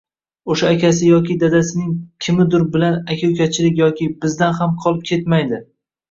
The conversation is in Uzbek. o‘sha akasi yoki dadasining kimidur bilan «aka-ukachilik» yoki «bizdan ham qolib ketmaydi